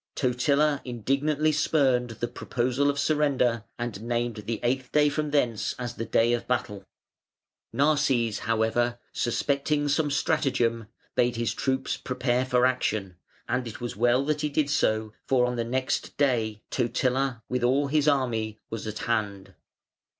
Totila indignantly spurned the proposal of surrender and named the eighth day from thence as the day of battle. Narses, however, suspecting some stratagem, bade his troops prepare for action, and it was well that he did so, for on the next day Totila with all his army was at hand.